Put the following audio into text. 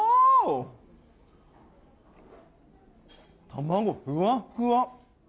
卵、ふわふわ！